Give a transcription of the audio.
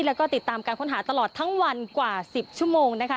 แล้วก็ติดตามการค้นหาตลอดทั้งวันกว่า๑๐ชั่วโมงนะคะ